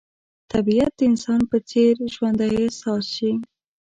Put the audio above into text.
طبیعت د انسان په څېر ژوندی احساس شي.